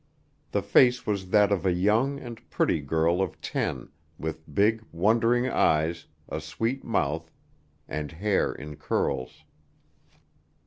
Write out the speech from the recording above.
The face was that of a young and pretty girl of ten, with big, wondering eyes, a sweet mouth, and hair in curls.